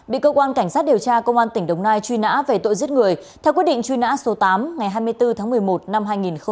bị cơ quan cảnh sát điều tra công an tỉnh đồng nai truy nã về tội giết người theo quyết định truy nã số tám ngày hai mươi bốn tháng một mươi một năm hai nghìn một mươi ba